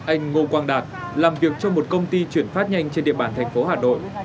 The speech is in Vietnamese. anh ngô quang đạt làm việc trong một công ty chuyển phát nhanh trên địa bàn thành phố hà nội